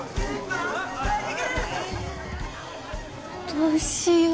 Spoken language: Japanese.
どうしよう。